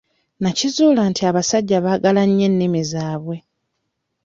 Nnakizuula nti abasajja baagala nnyo ennimi zaabwe.